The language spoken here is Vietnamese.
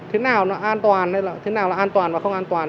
thế nào là an toàn hay là thế nào là an toàn và không an toàn